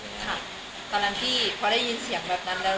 ตอนนั้นพี่พอได้ยินเสียงแบบนั้นแล้ว